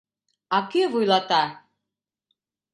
«А кӧ вуйлата?»